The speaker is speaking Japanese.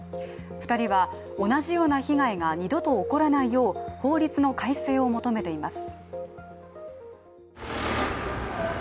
２人は、同じような被害が二度と起こらないよう法律の改正を求めています。